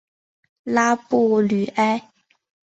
拉布吕埃。